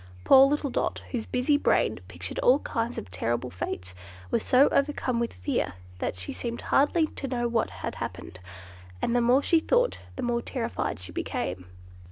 Poor little Dot, whose busy brain pictured all kinds of terrible fates, was so overcome with fear that she seemed hardly to know what had, happened; and the more she thought, the more terrified she became.